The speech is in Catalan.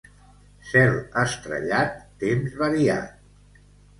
Cel estrellat, temps variat.